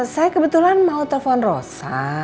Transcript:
saya kebetulan mau telepon rosa